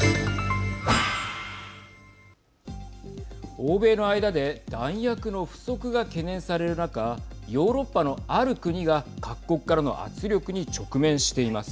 欧米の間で弾薬の不足が懸念される中ヨーロッパのある国が各国からの圧力に直面しています。